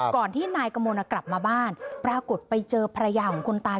ที่นายกมลกลับมาบ้านปรากฏไปเจอภรรยาของคนตาย